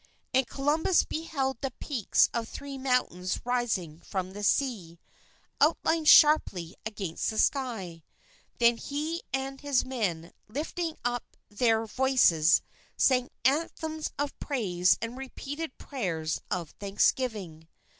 And Columbus beheld the peaks of three mountains rising from the sea, outlined sharply against the sky. Then he and his men, lifting up their voices, sang anthems of praise and repeated prayers of thanksgiving.